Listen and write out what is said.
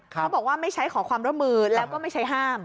เขาบอกว่าไม่ใช้ขอความร่วมมือแล้วก็ไม่ใช้ห้าม